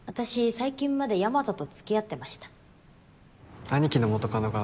最近まで大和と付き合ってました兄貴の元カノが